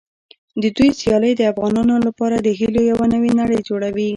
د دوی سیالۍ د افغانانو لپاره د هیلو یوه نوې نړۍ جوړوي.